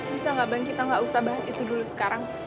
bisa nggak bang kita gak usah bahas itu dulu sekarang